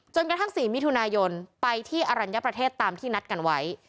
กระทั่ง๔มิถุนายนไปที่อรัญญประเทศตามที่นัดกันไว้